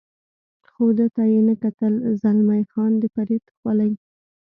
خو ده ته یې نه کتل، زلمی خان د فرید خولۍ.